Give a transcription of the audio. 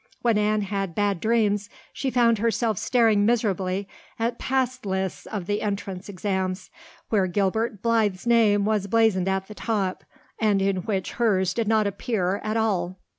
When Anne had bad dreams she found herself staring miserably at pass lists of the Entrance exams, where Gilbert Blythe's name was blazoned at the top and in which hers did not appear at all.